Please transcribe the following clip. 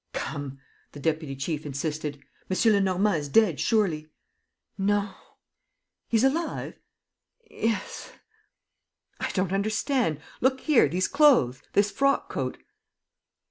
"Come," the deputy chief insisted. "M. Lenormand is dead, surely?" "No." "He's alive?" "Yes." "I don't understand. ... Look here, these clothes? This frock coat?